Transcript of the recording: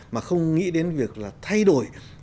mà không nghĩ đến việc là thay đổi